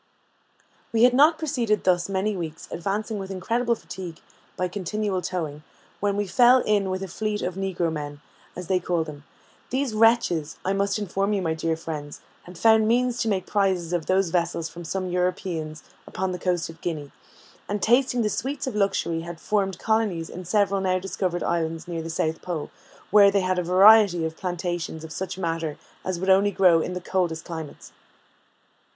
We had not proceeded thus many weeks, advancing with incredible fatigue by continual towing, when we fell in with a fleet of Negro men, as they call them. These wretches, I must inform you, my dear friends, had found means to make prizes of those vessels from some Europeans upon the coast of Guinea, and tasting the sweets of luxury, had formed colonies in several new discovered islands near the South Pole, where they had a variety of plantations of such matters as would only grow in the coldest climates.